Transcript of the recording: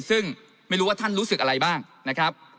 ซึ่งไม่รู้ว่าท่านรู้สึกอะไรบ้างนะครับ